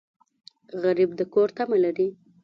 غریب د کور تمه لري